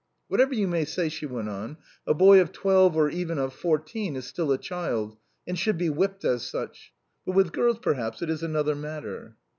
"Whatever you may say," she went on, "a boy of twelve, or even of fourteen, is still a child and should be whipped as such; but with girls, perhaps, it is another matter."